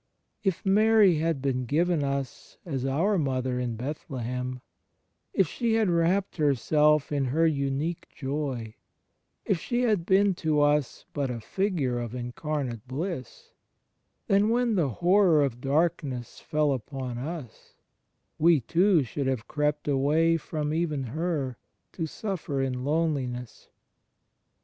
If Mary had been given us as our Mother in Bethlehem, if she had wrapped herself in her imique joy, if she had been to us but a figure of incarnate bliss; then when the horror of darkness fell upon us, we too should have crept away from even Her, to suffer in lone liness.